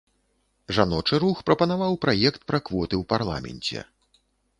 Жаночы рух прапанаваў праект пра квоты ў парламенце.